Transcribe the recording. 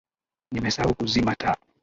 Nimesahau kuzima taa